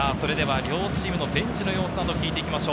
両チームのベンチの様子などを聞いていきましょう。